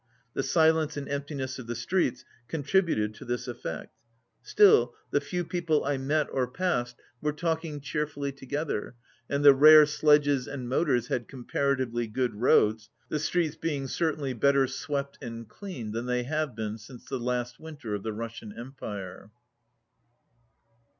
The silence and emptiness of the streets contributed to this effect. Still, the few people I met or passed were 11 talking cheerfully together and the rare sledges and motors had comparatively good roads, the streets being certainly better swept and cleaned than they have been since the last winter of the Russian Empire.